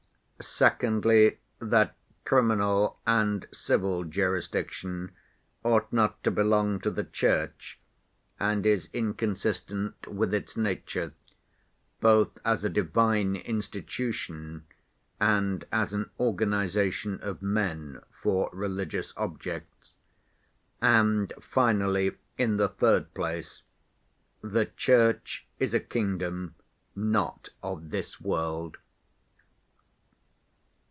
Secondly, that 'criminal and civil jurisdiction ought not to belong to the Church, and is inconsistent with its nature, both as a divine institution and as an organization of men for religious objects,' and, finally, in the third place, 'the Church is a kingdom not of this world.